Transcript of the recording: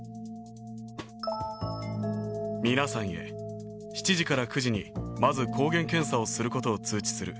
皆さんへ、７時から９時にまず抗原検査をすることを通知する。